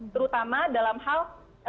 terutama dalam hal